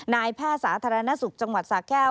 นายแพทย์สาธารณสุขจังหวัดสาแก้ว